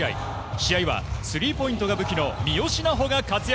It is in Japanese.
試合はスリーポイントが武器の三好南穂が活躍。